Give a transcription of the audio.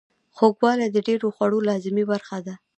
خوږوالی د ډیرو خوړو لازمي برخه ده.